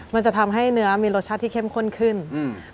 มันจะทำให้เนื้อมีรสชาติที่เข้มข้นขึ้นอืม